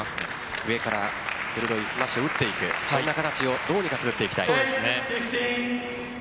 上から鋭いスマッシュを打っていく、そんな形をどうにか作っていきたい。